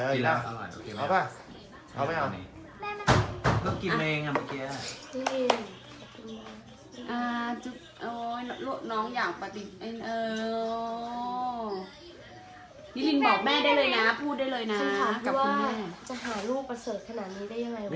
กำลังกินไว้เองกันเมื่อกี้แหละ